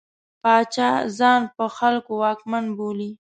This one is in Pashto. پاچا ځان په خلکو واکمن بولي.